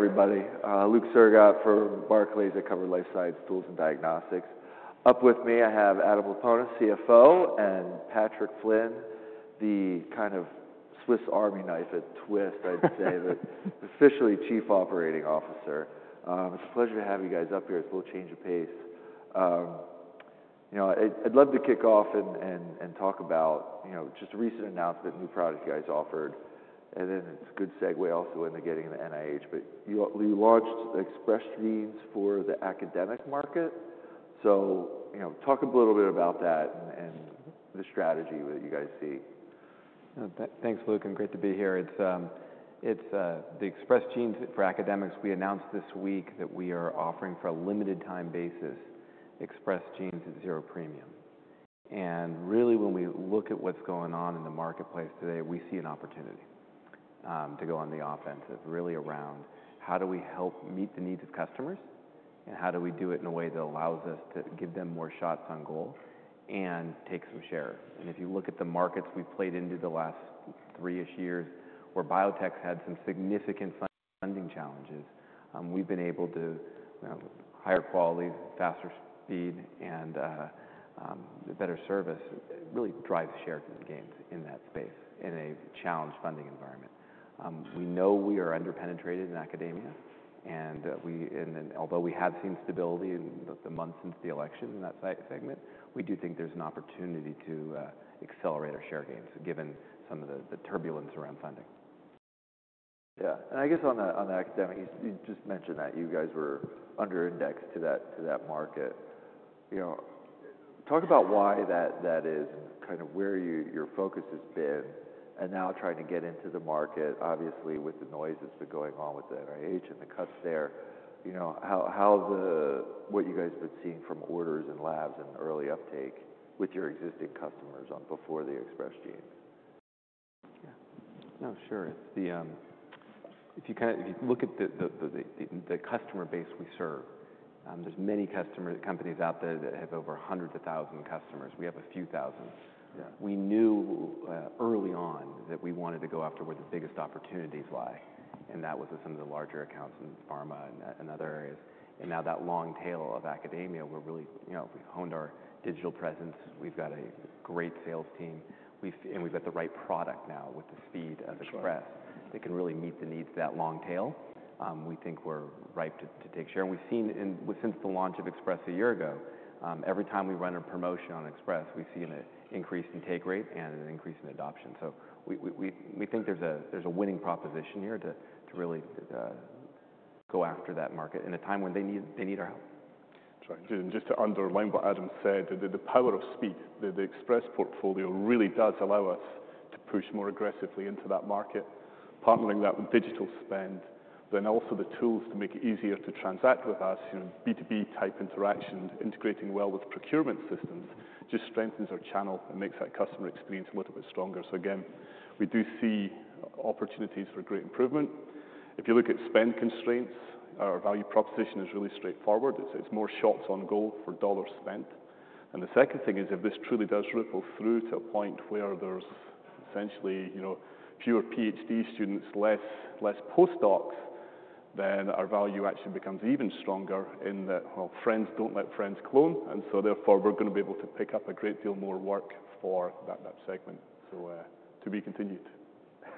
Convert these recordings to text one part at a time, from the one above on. Good morning, everybody. Luke Sergott for Barclays at Covered Life Science Tools and Diagnostics. Up with me, I have Adam Laponis, CFO, and Patrick Finn, the kind of Swiss Army knife at Twist, I'd say, but officially Chief Operating Officer. It's a pleasure to have you guys up here. It's a little change of pace. I'd love to kick off and talk about just a recent announcement, new product you guys offered, and then it's a good segue also into getting the NIH. You launched Express Genes for the academic market. Talk a little bit about that and the strategy that you guys see. Thanks, Luke. Great to be here. It's the Express Genes for academics. We announced this week that we are offering for a limited-time basis Express Genes at zero premium. Really, when we look at what's going on in the marketplace today, we see an opportunity to go on the offensive, really around how do we help meet the needs of customers, and how do we do it in a way that allows us to give them more shots on goal and take some share. If you look at the markets we've played into the last three-ish years, where biotechs had some significant funding challenges, we've been able to hire quality, faster speed, and better service really drive share gains in that space in a challenged funding environment. We know we are underpenetrated in academia, and although we have seen stability in the months since the election in that segment, we do think there's an opportunity to accelerate our share gains given some of the turbulence around funding. Yeah. I guess on the academic, you just mentioned that you guys were under-indexed to that market. Talk about why that is and kind of where your focus has been, and now trying to get into the market, obviously with the noises that are going on with the NIH and the cuts there, what you guys have been seeing from orders and labs and early uptake with your existing customers before the Express Genes. Yeah. No, sure. If you look at the customer base we serve, there are many companies out there that have over hundreds of thousand customers. We have a few thousand. We knew early on that we wanted to go after where the biggest opportunities lie, and that was with some of the larger accounts in pharma and other areas. Now that long tail of academia, we have really honed our digital presence. We have got a great sales team, and we have got the right product now with the speed of Express that can really meet the needs of that long tail. We think we are ripe to take share. We have seen since the launch of Express a year ago, every time we run a promotion on Express, we have seen an increase in take rate and an increase in adoption. We think there's a winning proposition here to really go after that market in a time when they need our help. That's right. Just to underline what Adam said, the power of speed, the Express Portfolio really does allow us to push more aggressively into that market, partnering that with digital spend, then also the tools to make it easier to transact with us, B2B type interaction, integrating well with procurement systems just strengthens our channel and makes that customer experience a little bit stronger. We do see opportunities for great improvement. If you look at spend constraints, our value proposition is really straightforward. It's more shots on goal for dollars spent. The second thing is if this truly does ripple through to a point where there's essentially fewer PhD students, less postdocs, then our value actually becomes even stronger in that, well, friends don't let friends clone, and so therefore we're going to be able to pick up a great deal more work for that segment. To be continued.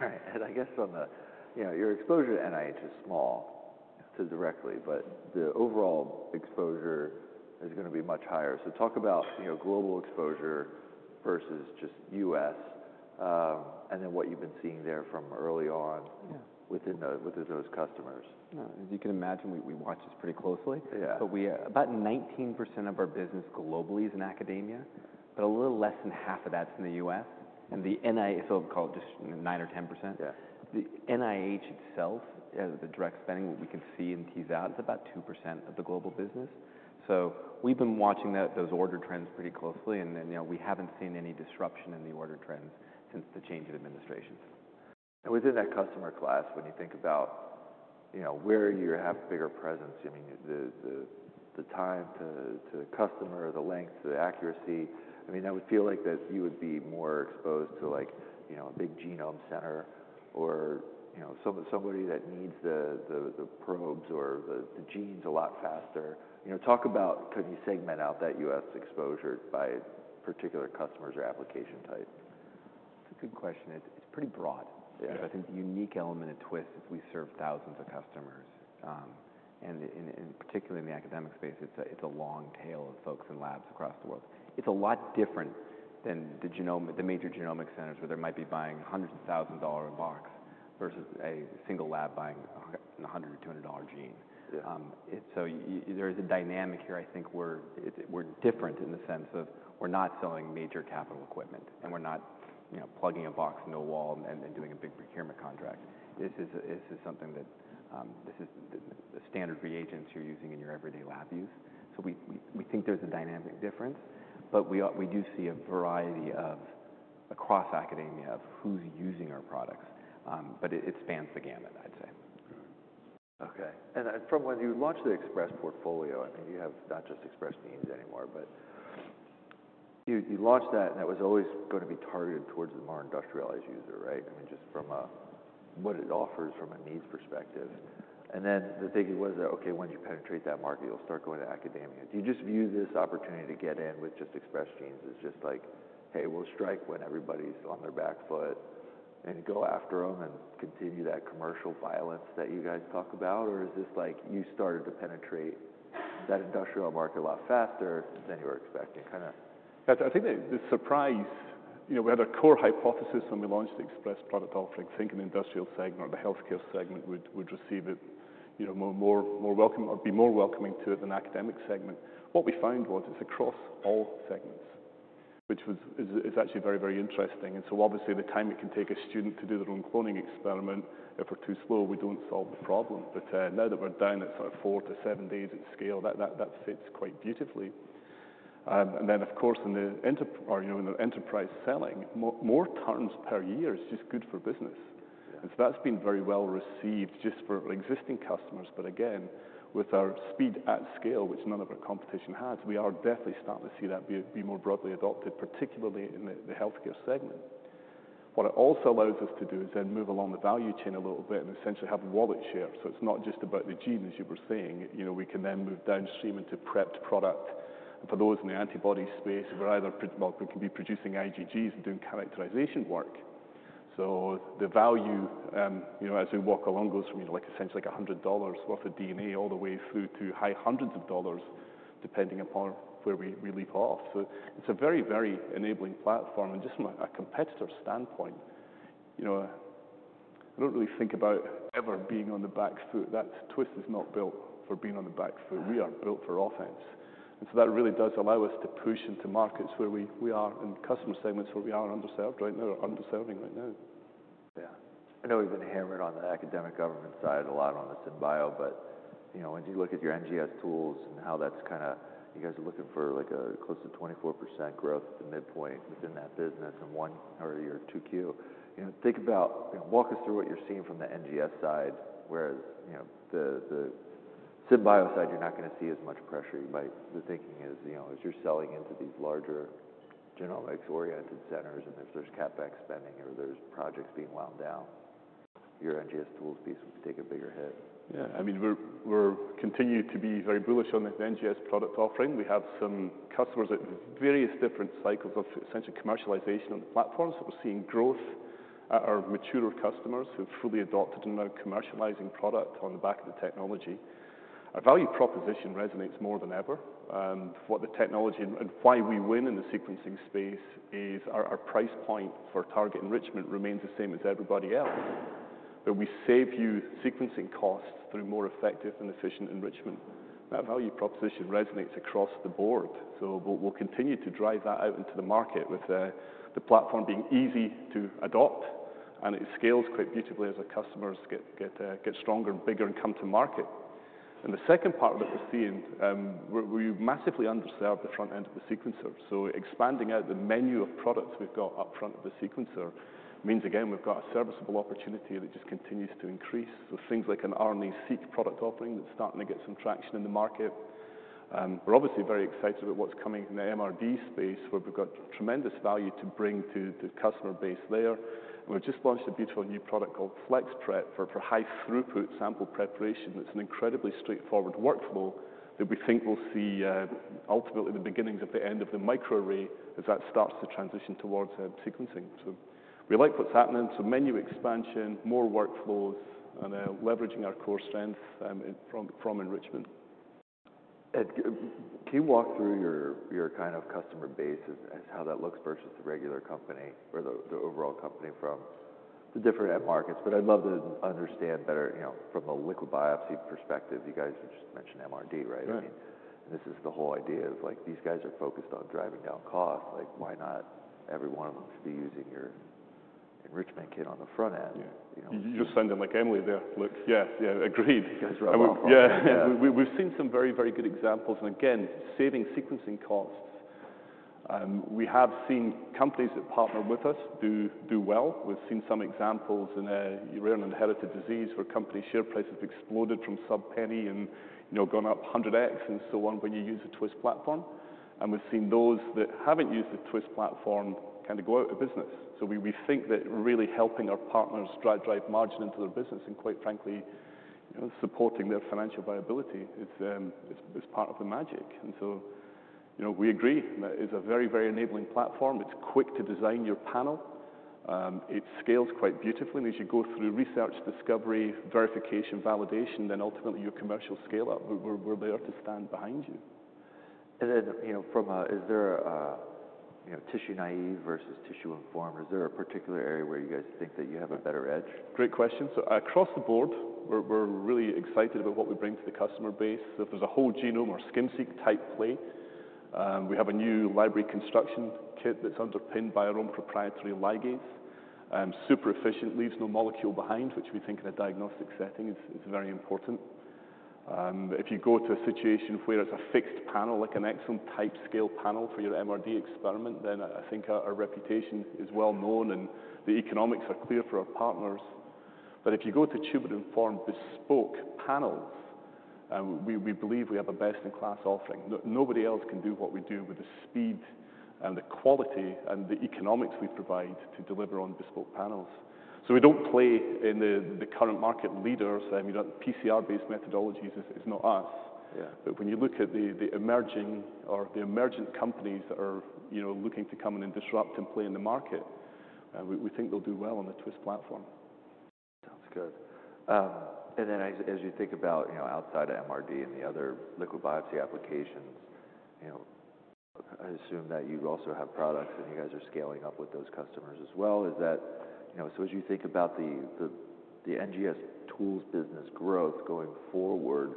All right. I guess on the, your exposure to NIH is small, too, directly, but the overall exposure is going to be much higher. Talk about global exposure versus just US, and then what you've been seeing there from early on within those customers. As you can imagine, we watch this pretty closely. About 19% of our business globally is in academia, but a little less than half of that's in the US. The NIH, so I'll call it just 9% or 10%. The NIH itself, the direct spending, what we can see and tease out is about 2% of the global business. We have been watching those order trends pretty closely, and we haven't seen any disruption in the order trends since the change of administrations. Within that customer class, when you think about where you have a bigger presence, I mean, the time to customer, the length, the accuracy, I mean, that would feel like that you would be more exposed to a big genome center or somebody that needs the probes or the genes a lot faster. Talk about, could you segment out that US exposure by particular customers or application type? That's a good question. It's pretty broad. I think the unique element of Twist is we serve thousands of customers. Particularly in the academic space, it's a long tail of folks in labs across the world. It's a lot different than the major genomic centers where they might be buying hundreds of thousands of dollars a box versus a single lab buying a $100 or $200 gene. There is a dynamic here. I think we're different in the sense of we're not selling major capital equipment, and we're not plugging a box into a wall and doing a big procurement contract. This is something that is the standard reagents you're using in your everyday lab use. We think there's a dynamic difference, but we do see a variety across academia of who's using our products. It spans the gamut, I'd say. Okay. From when you launched the Express Portfolio, I mean, you have not just Express Genes anymore, but you launched that, and that was always going to be targeted towards the more industrialized user, right? I mean, just from what it offers from a needs perspective. The thing was that, okay, once you penetrate that market, you'll start going to academia. Do you just view this opportunity to get in with just Express Genes as just like, hey, we'll strike when everybody's on their back foot and go after them and continue that commercial violence that you guys talk about? Or is this like you started to penetrate that industrial market a lot faster than you were expecting? Kind of. I think the surprise, we had a core hypothesis when we launched the Express product offering, thinking the industrial segment or the healthcare segment would receive it more welcome or be more welcoming to it than the academic segment. What we found was it's across all segments, which is actually very, very interesting. Obviously the time it can take a student to do their own cloning experiment, if we're too slow, we don't solve the problem. Now that we're down at sort of four to seven days at scale, that fits quite beautifully. Of course, in the enterprise selling, more terms per year is just good for business. That has been very well received just for existing customers. Again, with our speed at scale, which none of our competition has, we are definitely starting to see that be more broadly adopted, particularly in the healthcare segment. What it also allows us to do is then move along the value chain a little bit and essentially have wallet share. It is not just about the gene, as you were saying. We can then move downstream into prepped product. For those in the antibody space, we can be producing IgGs and doing characterization work. The value, as we walk along, goes from essentially like $100 worth of DNA all the way through to high hundreds of dollars, depending upon where we leap off. It is a very, very enabling platform. Just from a competitor standpoint, I do not really think about ever being on the back foot. Twist is not built for being on the back foot. We are built for offense. That really does allow us to push into markets where we are in customer segments where we are underserved right now or underserving right now. Yeah. I know we've been hammered on the academic government side a lot on the SynBio, but when you look at your NGS tools and how that's kind of you guys are looking for close to 24% growth at the midpoint within that business and one or your 2Q. Think about, walk us through what you're seeing from the NGS side, whereas the SynBio side, you're not going to see as much pressure. The thinking is as you're selling into these larger genomics-oriented centers and there's CapEx spending or there's projects being wound down, your NGS tools piece would take a bigger hit. Yeah. I mean, we're continuing to be very bullish on the NGS product offering. We have some customers at various different cycles of essentially commercialization on the platforms, but we're seeing growth at our mature customers who've fully adopted and are now commercializing product on the back of the technology. Our value proposition resonates more than ever. What the technology and why we win in the sequencing space is our price point for target enrichment remains the same as everybody else. We save you sequencing costs through more effective and efficient enrichment. That value proposition resonates across the board. We will continue to drive that out into the market with the platform being easy to adopt, and it scales quite beautifully as our customers get stronger and bigger and come to market. The second part that we're seeing, we massively underserved the front end of the sequencer. Expanding out the menu of products we've got up front of the sequencer means, again, we've got a serviceable opportunity that just continues to increase. Things like an RNA-seq product offering that's starting to get some traction in the market. We're obviously very excited about what's coming in the MRD space where we've got tremendous value to bring to the customer base there. We've just launched a beautiful new product called Flex Prep for high throughput sample preparation. It's an incredibly straightforward workflow that we think we'll see ultimately the beginnings of the end of the microarray as that starts to transition towards sequencing. We like what's happening. Menu expansion, more workflows, and leveraging our core strength from enrichment. Can you walk through your kind of customer base as how that looks versus the regular company or the overall company from the different markets? I'd love to understand better from a liquid biopsy perspective. You guys just mentioned MRD, right? I mean, this is the whole idea of these guys are focused on driving down costs. Why not every one of them should be using your enrichment kit on the front end? You just send them like Emily Leproust. Yeah, yeah, agreed. Yeah. We've seen some very, very good examples. Again, saving sequencing costs. We have seen companies that partner with us do well. We've seen some examples in a rare and inherited disease where company share prices have exploded from sub-penny and gone up 100X and so on when you use a Twist platform. We've seen those that haven't used the Twist platform kind of go out of business. We think that really helping our partners drive margin into their business and, quite frankly, supporting their financial viability is part of the magic. We agree that it is a very, very enabling platform. It's quick to design your panel. It scales quite beautifully. As you go through research, discovery, verification, validation, then ultimately your commercial scale-up, we're there to stand behind you. From a, is there a tissue naive versus tissue informed? Is there a particular area where you guys think that you have a better edge? Great question. Across the board, we're really excited about what we bring to the customer base. If there's a whole genome or skim-seq type play, we have a new library construction kit that's underpinned by our own proprietary ligase. Super efficient, leaves no molecule behind, which we think in a diagnostic setting is very important. If you go to a situation where it's a fixed panel, like an exome-type scale panel for your MRD experiment, I think our reputation is well known and the economics are clear for our partners. If you go to tumor-informed bespoke panels, we believe we have a best-in-class offering. Nobody else can do what we do with the speed and the quality and the economics we provide to deliver on bespoke panels. We don't play in the current market leaders. I mean, PCR-based methodologies is not us. When you look at the emerging or the emergent companies that are looking to come in and disrupt and play in the market, we think they'll do well on the Twist platform. Sounds good. As you think about outside of MRD and the other liquid biopsy applications, I assume that you also have products and you guys are scaling up with those customers as well. As you think about the NGS tools business growth going forward,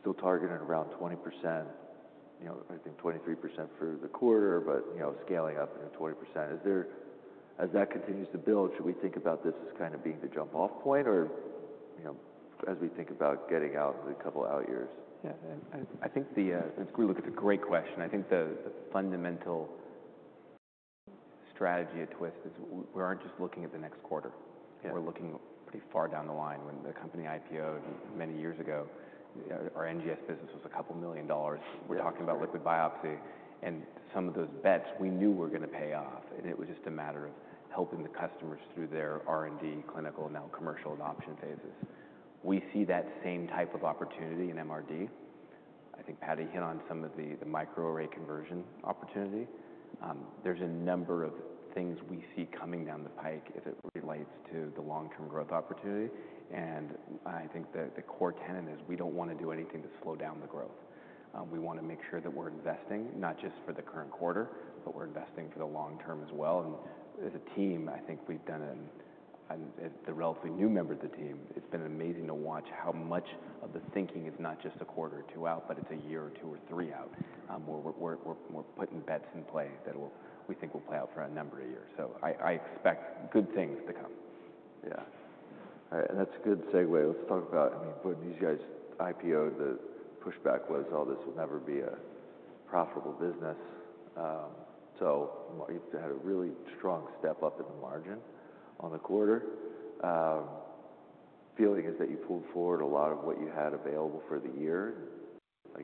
still targeting around 20%, I think 23% for the quarter, but scaling up into 20%. As that continues to build, should we think about this as kind of being the jump-off point or as we think about getting out in the couple out years? Yeah. I think we look at the great question. I think the fundamental strategy at Twist is we aren't just looking at the next quarter. We're looking pretty far down the line. When the company IPO'd many years ago, our NGS business was a couple million dollars. We're talking about liquid biopsy. Some of those bets we knew were going to pay off. It was just a matter of helping the customers through their R&D, clinical, and now commercial adoption phases. We see that same type of opportunity in MRD. I think Patty hit on some of the microarray conversion opportunity. There's a number of things we see coming down the pike as it relates to the long-term growth opportunity. I think the core tenet is we don't want to do anything to slow down the growth. We want to make sure that we're investing not just for the current quarter, but we're investing for the long term as well. As a team, I think we've done it. As the relatively new member of the team, it's been amazing to watch how much of the thinking is not just a quarter or two out, but it's a year or two or three out. We're putting bets in play that we think will play out for a number of years. I expect good things to come. Yeah. All right. That's a good segue. Let's talk about, I mean, when these guys IPO, the pushback was all this will never be a profitable business. So you had a really strong step up in the margin on the quarter. Feeling is that you pulled forward a lot of what you had available for the year.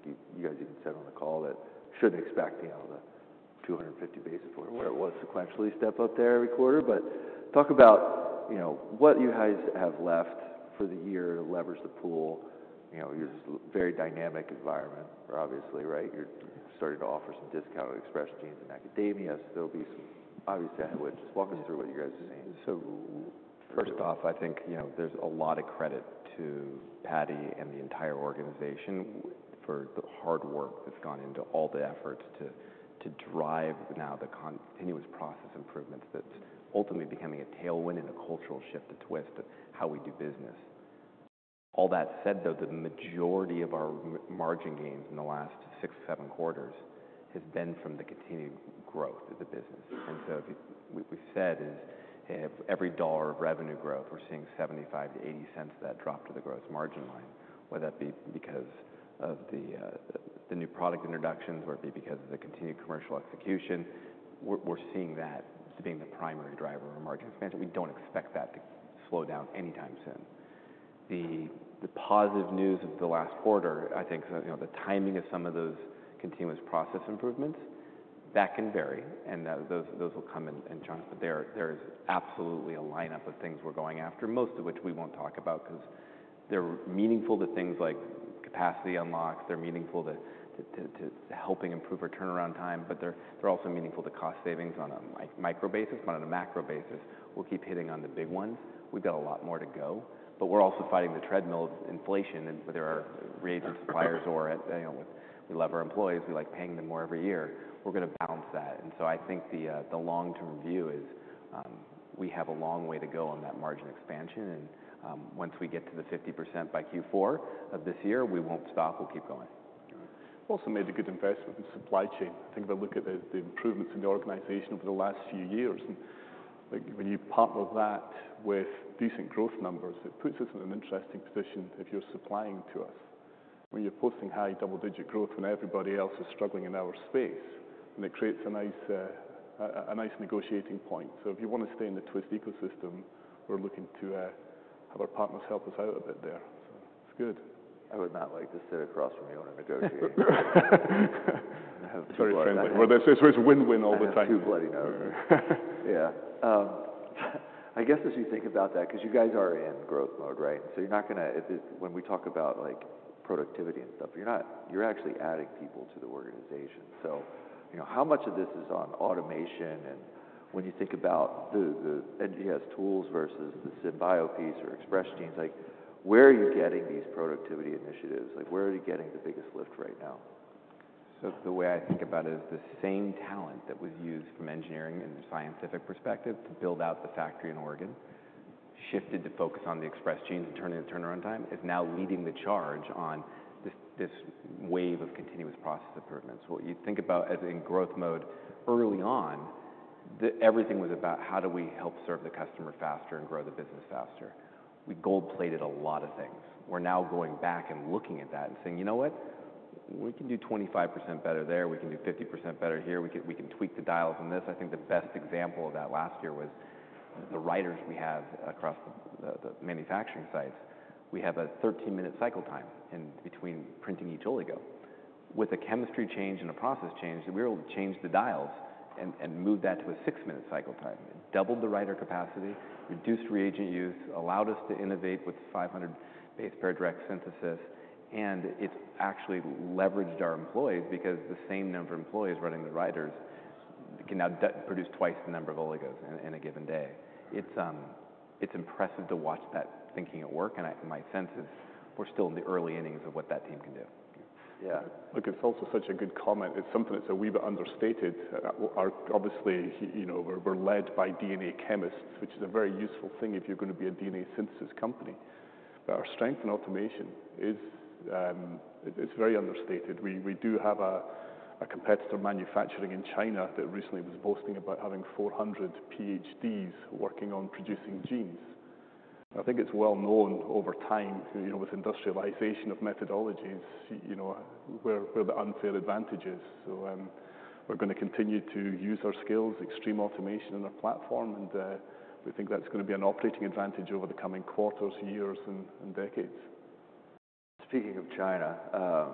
You guys even said on the call that shouldn't expect the 250 basis point or whatever it was sequentially step up there every quarter. Talk about what you guys have left for the year to leverage the pool. You're just a very dynamic environment, obviously, right? You're starting to offer some discount on Express Genes and academia. So there'll be some obvious ahead of it. Just walk us through what you guys are seeing. First off, I think there's a lot of credit to Patty and the entire organization for the hard work that's gone into all the efforts to drive now the continuous process improvements that's ultimately becoming a tailwind and a cultural shift to Twist and how we do business. All that said, though, the majority of our margin gains in the last six or seven quarters has been from the continued growth of the business. What we've said is every dollar of revenue growth, we're seeing 75%-80% of that drop to the gross margin line, whether that be because of the new product introductions or it be because of the continued commercial execution. We're seeing that being the primary driver of our margin expansion. We don't expect that to slow down anytime soon. The positive news of the last quarter, I think the timing of some of those continuous process improvements, that can vary. Those will come in chunks. There is absolutely a lineup of things we're going after, most of which we won't talk about because they're meaningful to things like capacity unlocks. They're meaningful to helping improve our turnaround time. They're also meaningful to cost savings on a micro basis, but on a macro basis, we'll keep hitting on the big ones. We've got a lot more to go. We're also fighting the treadmill of inflation. There are reagent suppliers who are at, we love our employees. We like paying them more every year. We're going to balance that. I think the long-term view is we have a long way to go on that margin expansion. Once we get to the 50% by Q4 of this year, we won't stop. We'll keep going. We also made a good investment in supply chain. I think if I look at the improvements in the organization over the last few years, when you partner that with decent growth numbers, it puts us in an interesting position if you're supplying to us. When you're posting high double-digit growth when everybody else is struggling in our space, it creates a nice negotiating point. If you want to stay in the Twist ecosystem, we're looking to have our partners help us out a bit there. It's good. I would not like to sit across from you on a negotiating board. Sorry. It's win-win all the time. Two bloody no's. Yeah. I guess as you think about that, because you guys are in growth mode, right? You're not going to, when we talk about productivity and stuff, you're not, you're actually adding people to the organization. How much of this is on automation? When you think about the NGS tools versus the SynBio piece or Express Genes, where are you getting these productivity initiatives? Where are you getting the biggest lift right now? The way I think about it is the same talent that was used from engineering and the scientific perspective to build out the factory in Oregon shifted to focus on the Express Genes and turning the turnaround time is now leading the charge on this wave of continuous process improvements. What you think about as in growth mode early on, everything was about how do we help serve the customer faster and grow the business faster. We gold-plated a lot of things. We're now going back and looking at that and saying, you know what? We can do 25% better there. We can do 50% better here. We can tweak the dials in this. I think the best example of that last year was the writers we have across the manufacturing sites. We have a 13-minute cycle time in between printing each oligo. With a chemistry change and a process change, we were able to change the dials and move that to a six-minute cycle time. It doubled the writer capacity, reduced reagent use, allowed us to innovate with 500 base pair direct synthesis. It's actually leveraged our employees because the same number of employees running the writers can now produce twice the number of oligos in a given day. It's impressive to watch that thinking at work. My sense is we're still in the early innings of what that team can do. Yeah. Look, it's also such a good comment. It's something that's a wee bit understated. Obviously, we're led by DNA chemists, which is a very useful thing if you're going to be a DNA synthesis company. Our strength in automation is very understated. We do have a competitor manufacturing in China that recently was boasting about having 400 PhDs working on producing genes. I think it's well known over time with industrialization of methodologies where the unfair advantage is. We're going to continue to use our skills, extreme automation in our platform. We think that's going to be an operating advantage over the coming quarters, years, and decades. Speaking of China, a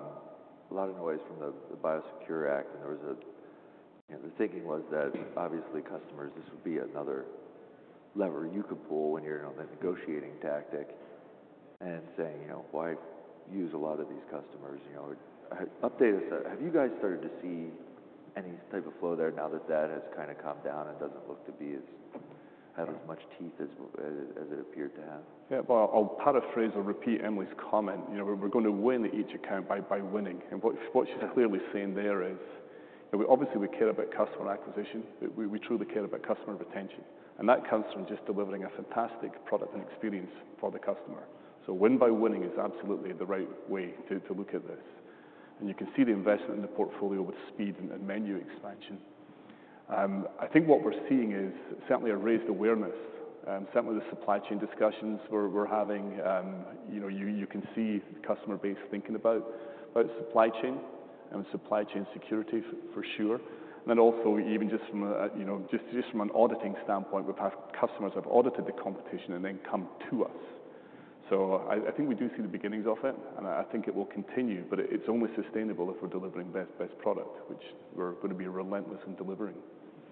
lot of noise from the Biosecure Act. The thinking was that obviously customers, this would be another lever you could pull when you're on the negotiating tactic and saying, why use a lot of these customers? Have you guys started to see any type of flow there now that that has kind of calmed down and doesn't look to have as much teeth as it appeared to have? Yeah. I'll paraphrase or repeat Emily's comment. We're going to win each account by winning. What she's clearly saying there is obviously we care about customer acquisition, but we truly care about customer retention. That comes from just delivering a fantastic product and experience for the customer. Win by winning is absolutely the right way to look at this. You can see the investment in the portfolio with speed and menu expansion. I think what we're seeing is certainly a raised awareness, certainly the supply chain discussions we're having. You can see the customer base thinking about supply chain and supply chain security for sure. Also, even just from an auditing standpoint, customers have audited the competition and then come to us. I think we do see the beginnings of it. I think it will continue, but it's only sustainable if we're delivering best product, which we're going to be relentless in delivering.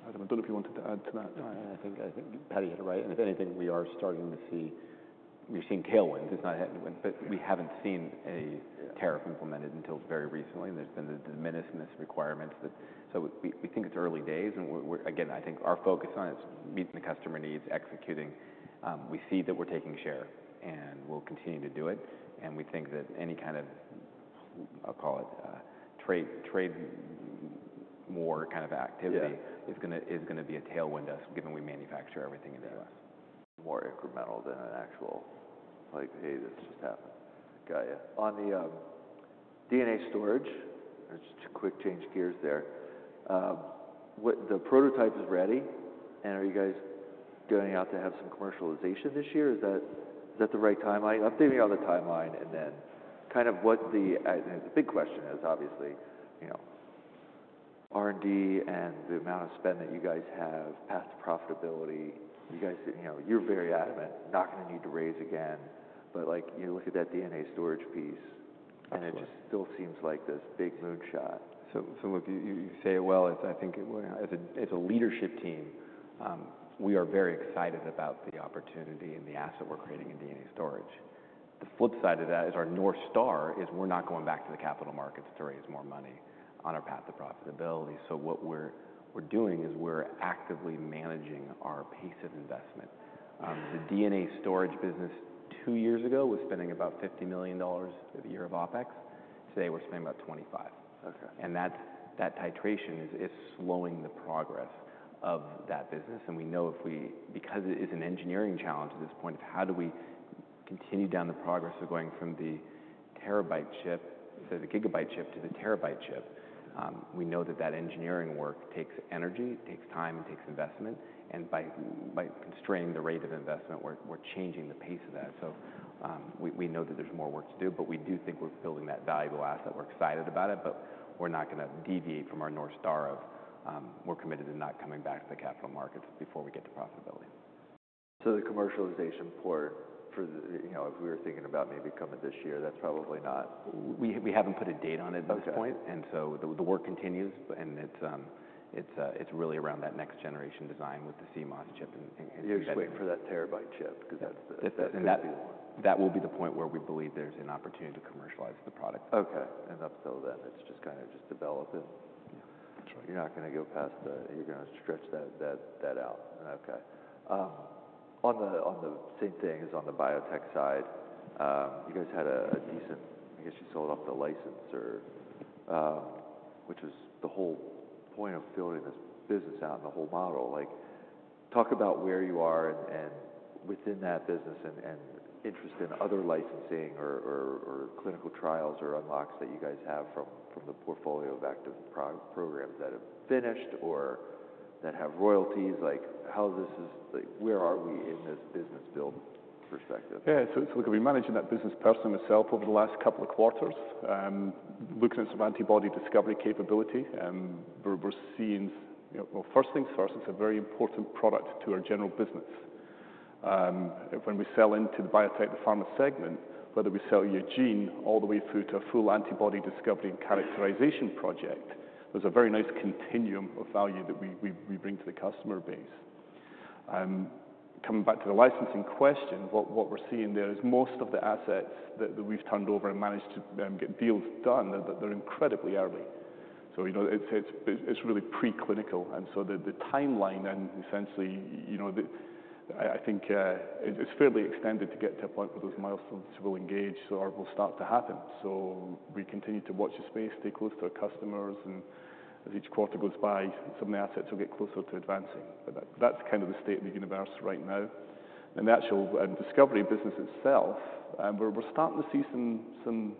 I don't know if you wanted to add to that. I think Patty hit it right. If anything, we are starting to see, we're seeing tailwinds. It's not a headwind, but we haven't seen a tariff implemented until very recently. There's been the diminishment requirements, so we think it's early days. I think our focus on it is meeting the customer needs, executing. We see that we're taking share and we'll continue to do it. We think that any kind of, I'll call it trade war kind of activity, is going to be a tailwind to us given we manufacture everything in the US. More incremental than an actual like, hey, this just happened. Got you. On the DNA storage, just a quick change of gears there. The prototype is ready. Are you guys going out to have some commercialization this year? Is that the right timeline? Update me on the timeline and then kind of what the big question is, obviously, R&D and the amount of spend that you guys have past profitability. You're very adamant, not going to need to raise again. Look at that DNA storage piece. It just still seems like this big moonshot. You say it well. I think as a leadership team, we are very excited about the opportunity and the asset we're creating in DNA storage. The flip side of that is our North Star is we're not going back to the capital markets to raise more money on our path to profitability. What we're doing is we're actively managing our pace of investment. The DNA storage business two years ago was spending about $50 million at the year of OpEx. Today we're spending about $25 million. That titration is slowing the progress of that business. We know if we, because it is an engineering challenge at this point of how do we continue down the progress of going from the terabyte chip to the gigabyte chip to the terabyte chip. We know that that engineering work takes energy, takes time, and takes investment. By constraining the rate of investment, we're changing the pace of that. We know that there's more work to do. We do think we're building that valuable asset. We're excited about it. We're not going to deviate from our North Star of we're committed to not coming back to the capital markets before we get to profitability. The commercialization port, if we were thinking about maybe coming this year, that's probably not. We have not put a date on it at this point. The work continues. It is really around that next generation design with the CMOS chip. You're just waiting for that terabyte chip because that's the. That will be the point where we believe there's an opportunity to commercialize the product. Okay. Up till then, it's just kind of just developing. You're not going to go past the, you're going to stretch that out. On the same thing as on the biotech side, you guys had a decent, I guess you sold off the licensor, which was the whole point of building this business out and the whole model. Talk about where you are within that business and interest in other licensing or clinical trials or unlocks that you guys have from the portfolio of active programs that have finished or that have royalties. How is this, where are we in this business build perspective? Yeah. Look, we're managing that business personally myself over the last couple of quarters, looking at some antibody discovery capability. We're seeing, first things first, it's a very important product to our general business. When we sell into the biotech and pharma segment, whether we sell your gene all the way through to a full antibody discovery and characterization project, there's a very nice continuum of value that we bring to the customer base. Coming back to the licensing question, what we're seeing there is most of the assets that we've turned over and managed to get deals done, they're incredibly early. It's really preclinical. The timeline then essentially, I think it's fairly extended to get to a point where those milestones will engage or will start to happen. We continue to watch the space, stay close to our customers. As each quarter goes by, some of the assets will get closer to advancing. That is kind of the state of the universe right now. The actual discovery business itself, we are starting to see some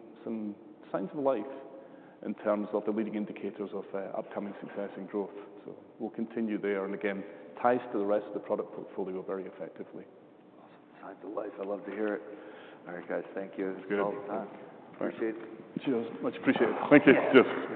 signs of life in terms of the leading indicators of upcoming success and growth. We will continue there. Again, ties to the rest of the product portfolio very effectively. Awesome. Signs of life. I love to hear it. All right, guys. Thank you. It's good. Appreciate it. Cheers. Much appreciated. Thank you. Cheers.